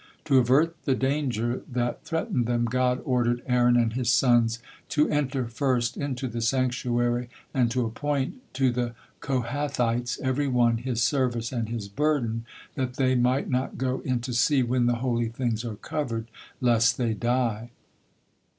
To avert the danger that threatened them, God ordered Aaron and his sons to enter first into the sanctuary, and "to appoint to the Kohathites, every one, his service and his burden, that they might not go in to see when the holy things are covered, lest they die."